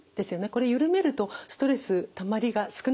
これ緩めるとストレスたまりが少なくなりませんか？